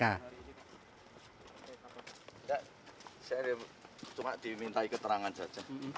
saya cuma diminta keterangan saja